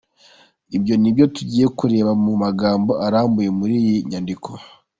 Ibyo nibyo tugiye kureba mu magambo arambuye muri iyi nyandiko.